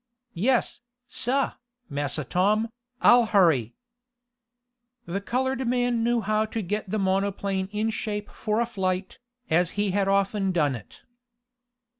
"Yes, sah, Massa Tom, I'll hurry!" The colored man knew how to get the monoplane in shape for a flight, as he had often done it.